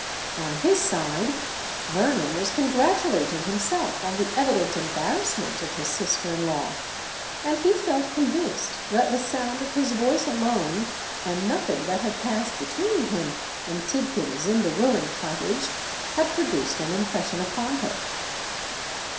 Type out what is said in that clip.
On his side, Vernon was congratulating himself on the evident embarrassment of his sister in law; and he felt convinced that the sound of his voice alone—and nothing that had passed between him and Tidkins in the ruined cottage—had produced an impression upon her.